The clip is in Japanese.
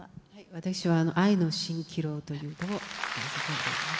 私は「愛の蜃気楼」という歌を歌わせていただきます。